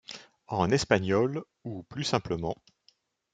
En espagnol, ' ou plus simplement '.